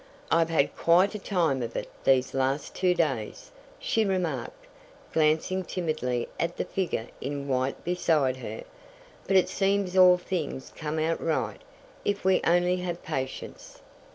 "I've had quite a time of it these last two days," she remarked, glancing timidly at the figure in white beside her, "but it seems all things come out right if we only have patience."